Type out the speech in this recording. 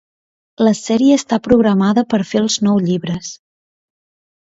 La sèrie està programada per fer els nou llibres.